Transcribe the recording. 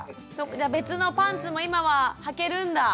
別のパンツも今ははけるんだ？